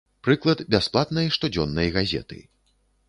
Прыклад бясплатнай штодзённай газеты.